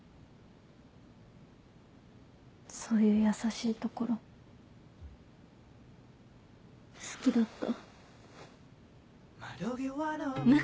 そういう優しいところ好きだった。